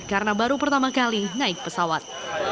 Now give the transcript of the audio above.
karena baru pertama kali naik pesawat